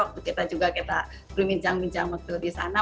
waktu kita juga kita berbincang bincang waktu di sana